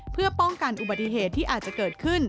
เพื่อป้องกันอุบัติเหตุที่อาจจะเกิดขึ้น